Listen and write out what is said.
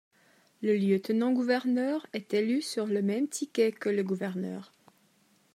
Le lieutenant-gouverneur est élu sur le même ticket que le gouverneur.